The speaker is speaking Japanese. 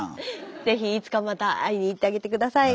是非いつかまた会いに行ってあげて下さい。